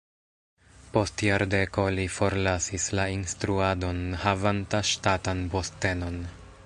Post jardeko li forlasis la instruadon havanta ŝtatan postenon.